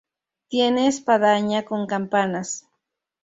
Tiene espadaña con campanas.